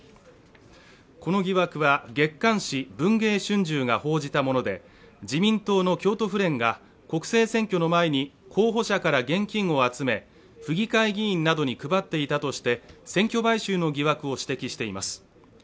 この疑惑は月刊誌「文藝春秋」が報じたもので自民党の京都府連が国政選挙の前に候補者から現金を集め府議会議員などに配っていたとして、選挙買収の疑惑を指摘しています。